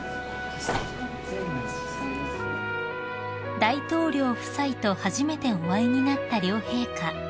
［大統領夫妻と初めてお会いになった両陛下］